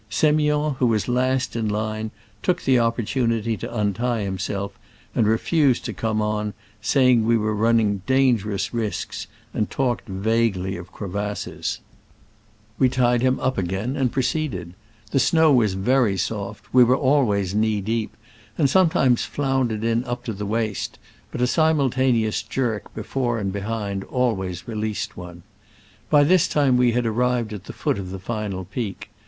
S6miond, who was last in the line, took the opportunity to untie himself, and refused to come on, said we were run ning dangerous risks, and talked vague ly of crevasses. We tied him up again Digitized by VjOOQIC ^8' SCRAMBLES AMONGST THE ALPS IN i86o '69. 25 and proceeded. The snow was very soft: we were always knee deep, and sometimes floundered in up to the waist, but a simultaneous jerk before and be hind always released one. By this time we had arrived at the foot of the final peak.